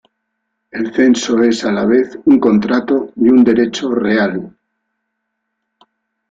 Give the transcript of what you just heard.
El censo es a la vez un contrato y un derecho real.